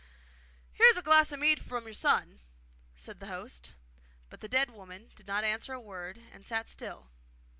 'Here is a glass of mead from your son,' said the host. But the dead woman did not answer a word, and sat still.